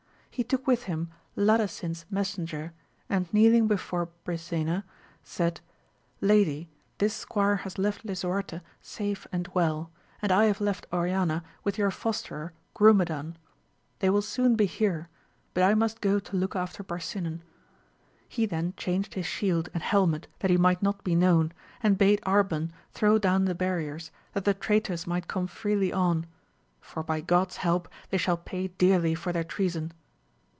He took with him Ladasin's messenger, and kneeling before Brisena, said, Lady, this squire has left Lisuarte safe and well, and I have left Oriana with your fosterer Grumedan ; they will soon be here, but I must go to look after Barsinan. He then changed his shield and helmet that he might not be known, and bade Arban throw down the barriers, that the traitors might gome freely on, for by God's help they shall pay dearly for their treason